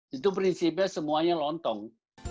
itu prinsipnya semuanya lontong